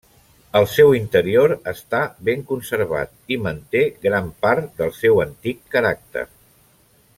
El seu interior està ben conservat, i manté gran part del seu antic caràcter.